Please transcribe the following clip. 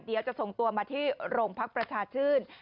เดี๋ยวจะส่งตัวมาที่โรงพักประชาชื่น